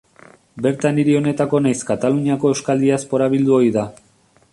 Bertan hiri honetako nahiz Kataluniako euskal diaspora bildu ohi da.